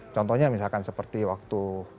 contohnya misalkan seperti waktu